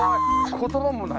言葉もない。